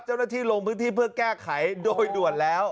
เจ้าหน้าที่ลงพื้นที่เพื่อแก้ไขโดยด่วนแล้ว